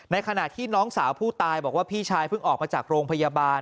ขณะที่น้องสาวผู้ตายบอกว่าพี่ชายเพิ่งออกมาจากโรงพยาบาล